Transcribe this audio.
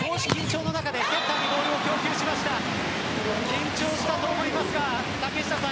緊張したと思いますが竹下さん